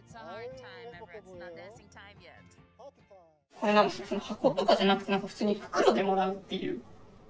これなんですけど箱とかじゃなくて何か普通に袋でもらうっていう。